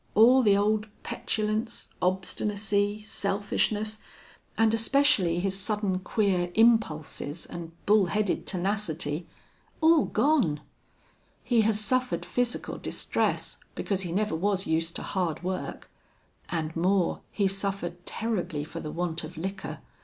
All the old petulance, obstinacy, selfishness, and especially his sudden, queer impulses, and bull headed tenacity all gone! He has suffered physical distress, because he never was used to hard work. And more, he's suffered terribly for the want of liquor.